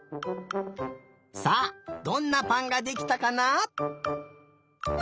さあどんなぱんができたかな？